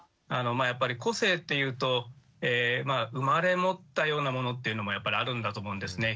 やっぱり個性っていうとまあ生まれ持ったようなものっていうのもやっぱりあるんだと思うんですね。